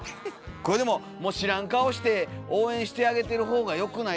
これでももう知らん顔して応援してあげてる方がよくないですか？